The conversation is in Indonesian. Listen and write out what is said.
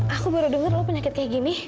aku baru dengar lo penyakit kayak gini